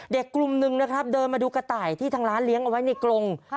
กลุ่มหนึ่งนะครับเดินมาดูกระต่ายที่ทางร้านเลี้ยงเอาไว้ในกรง